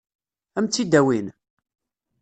Ad m-tt-id-awin?